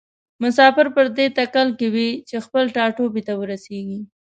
مسافر پر دې تکل کې وي چې خپل ټاټوبي ته ورسیږي.